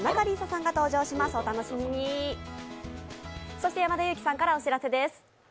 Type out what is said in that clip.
そして山田裕貴さんからお知らせです。